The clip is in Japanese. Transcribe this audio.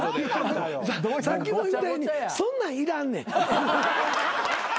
さっきも言ったようにそんなんいらんねん。